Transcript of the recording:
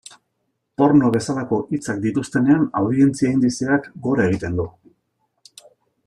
Porno bezalako hitzak dituztenean, audientzia indizeak gora egiten du.